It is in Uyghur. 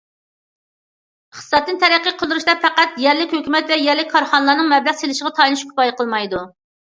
ئىقتىسادنى تەرەققىي قىلدۇرۇشتا پەقەت يەرلىك ھۆكۈمەت ۋە يەرلىك كارخانىلارنىڭ مەبلەغ سېلىشىغىلا تايىنىش كۇپايە قىلمايدۇ.